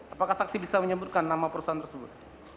apakah saksi bisa menyebutkan nama perusahaan tersebut